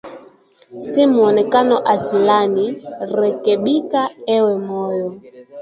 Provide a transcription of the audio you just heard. Si muonekano asilani, rekebika ewe moyo